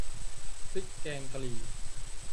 พริกแกงกะหรี่